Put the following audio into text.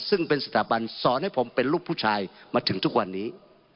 ซึ่งเป็นสถาบันสอนให้ผมเป็นลูกผู้ชายมาถึงทุกวันนี้